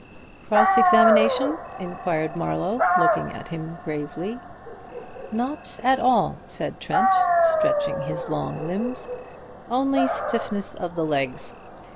"Cross examination?" inquired Marlowe, looking at him gravely. "Not at all," said Trent, stretching his long limbs. "Only stiffness of the legs.